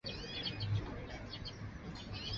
自云辽东人。